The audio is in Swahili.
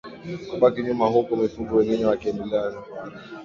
Kubaki nyuma huku mifugo wengine wakiendelea na safari